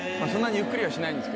そんなにゆっくりはしない。